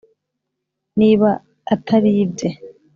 niba atari ibye